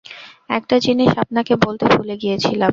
একটা জিনিষ আপনাকে বলতে ভুলে গিয়েছিলাম।